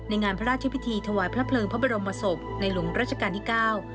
งานพระราชพิธีถวายพระเพลิงพระบรมศพในหลวงราชการที่เก้า